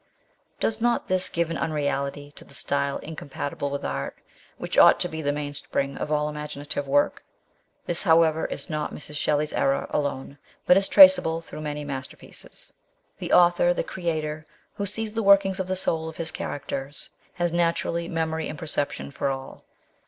Does not this give an unreality to the style incompatible with art, which ought to be the mainspring of all imaginative work ? This, however, is not Mrs. Shel ley's error alone, but is traceable through many master pieces. The author, the creator, who sees the workings of the souls of his characters, has, naturally, memory and perception for all.